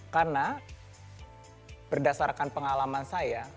karena berdasarkan pengalaman saya